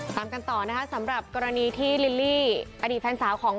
ตามกันต่อนะคะสำหรับกรณีที่ลิลลี่อดีตแฟนสาวของ